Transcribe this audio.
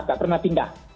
tak pernah tinggal